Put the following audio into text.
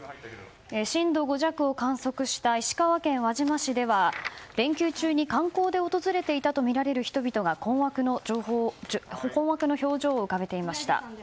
震度５弱を観測した石川県輪島市では連休中に観光で訪れていたとみられる人々が困惑の表情を浮かべていました。